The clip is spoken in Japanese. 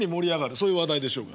そういう話題でしょうが。